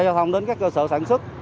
giao thông đến các cơ sở sản xuất